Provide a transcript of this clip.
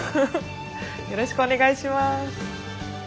よろしくお願いします。